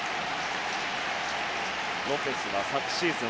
ロペスは昨シーズン